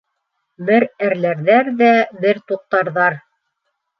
Бер әрләрҙәр ҙә бер туҡтарҙар.